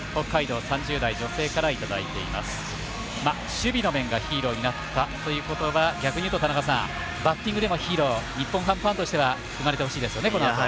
守備の面がヒーローになったということは逆に言うとバッティングでのヒーロー日本ハムファンとしてはいいですよね。